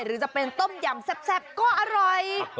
หรือจะเป็นต้มยำแซ่บก็อร่อย